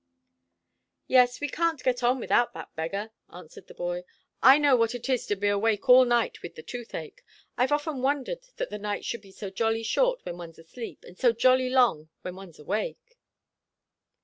'" "Yes, we can't get on without that beggar," answered the boy. "I know what it is to be awake all night with the toothache. I've often wondered that the nights should be so jolly short when one's asleep, and so jolly long when one's awake."